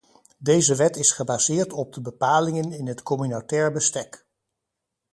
Deze wet is gebaseerd op de bepalingen in het communautair bestek.